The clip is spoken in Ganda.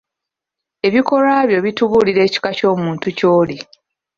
Ebikolwa byo bitubuulira ekika ky'omuntu ky'oli.